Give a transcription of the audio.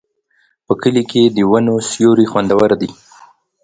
په کلي کې د ونو سیوري خوندور دي.